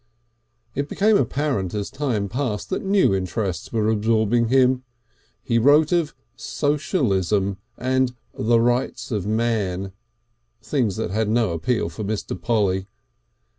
It became apparent as time passed that new interests were absorbing him. He wrote of socialism and the rights of man, things that had no appeal for Mr. Polly.